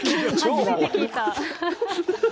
初めて聞いた。